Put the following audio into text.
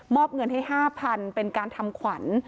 อบเงินให้๕๐๐๐เป็นการทำขวัญ